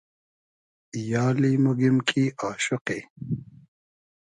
یالی موگیم کی آشوقی